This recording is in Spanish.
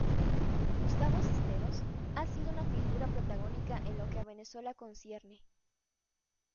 Gustavo Cisneros, ha sido una figura protagónica en lo que a Venezuela concierne.